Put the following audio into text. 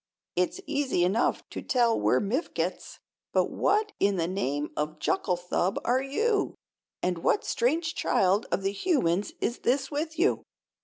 "It's easy enough to tell we're Mifkets; but what in the name of Jucklethub are you? And what strange child of the human's is this with you?"